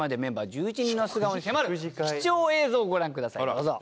どうぞ。